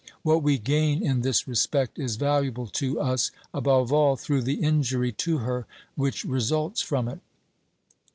What we gain in this respect is valuable to us, above all, through the injury to her which results from it.